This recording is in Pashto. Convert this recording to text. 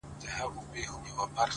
هله سي ختم په اشاره انتظار